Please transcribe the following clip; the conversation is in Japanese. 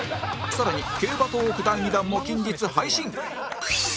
更に競馬トーーク第２弾も近日配信